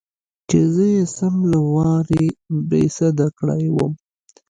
چې زه يې سم له وارې بېسده کړى وم.